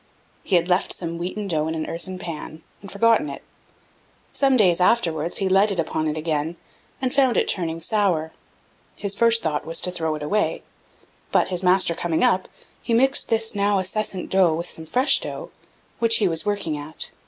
He had left some wheaten dough in an earthen pan, and forgotten it; some days afterwards, he lighted upon it again, and found it turning sour. His first thought was to throw it away; but, his master coming up, he mixed this now acescent dough with some fresh dough, which he was working at.